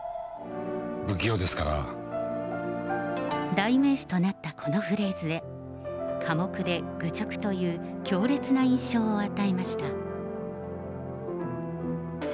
代名詞となったこのフレーズで、寡黙で愚直という強烈な印象を与えました。